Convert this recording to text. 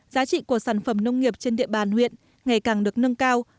giá trị của sản phẩm nông nghiệp trên địa bàn huyện ngày càng được nâng cao